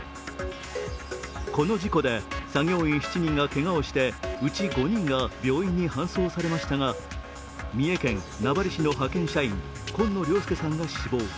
この事故で作業員７人がけがをしてうち５人が病院に搬送されましたが三重県名張市の派遣社員紺野良介さんが死亡。